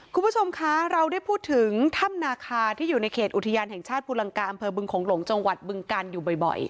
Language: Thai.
คุณผู้ชมคะเราได้พูดถึงถ้ำนาคาที่อยู่ในเขตอุทยานแห่งชาติภูลังกาอำเภอบึงโขงหลงจังหวัดบึงการอยู่บ่อย